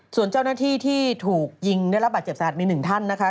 ส่วนเจ้าหน้าที่ที่ถูกยิงได้รับบาดเจ็บสาหัสมีหนึ่งท่านนะคะ